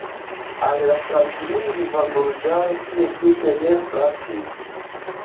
Al la franclingva burĝaro tio tute ne plaĉis.